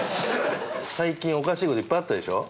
最近おかしいこといっぱいあったでしょ？